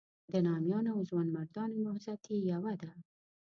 د نامیانو او ځوانمردانو نهضت یې یوه ده.